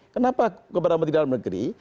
kenapa kepada menteri dalam negeri